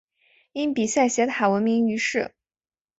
因比萨斜塔闻名于世。